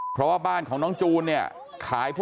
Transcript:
กลับไปลองกลับ